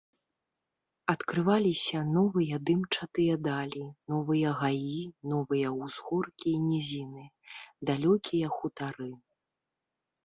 Адкрываліся новыя дымчатыя далі, новыя гаі, новыя ўзгоркі і нізіны, далёкія хутары.